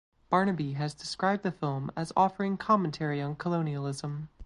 Barnaby has described the film as offering commentary on colonialism.